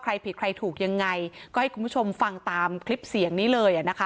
ใครผิดใครถูกยังไงก็ให้คุณผู้ชมฟังตามคลิปเสียงนี้เลยอ่ะนะคะ